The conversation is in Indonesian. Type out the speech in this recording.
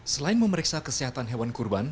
selain memeriksa kesehatan hewan kurban